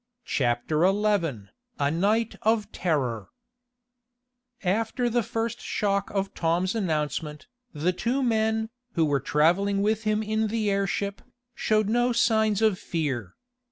CHAPTER XI A NIGHT OF TERROR After the first shock of Tom's announcement, the two men, who were traveling with him in the airship, showed no signs of fear.